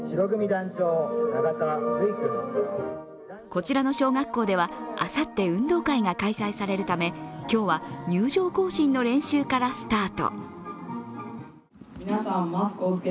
こちらの小学校では、あさって運動会が開催されるため今日は入場行進の練習からスタート。